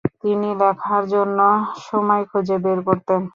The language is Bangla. তিনি লেখার জন্য সময় খুঁজে বের করতেন।